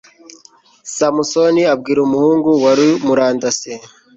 samusoni abwira umuhungu wari umurandase